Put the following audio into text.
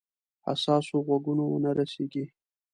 حساسو غوږونو ونه رسیږي.